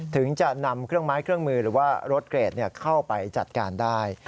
ถึงจะนำเครื่องไม้เครื่องมือหรือว่ารถเกรดเข้าไปจัดการได้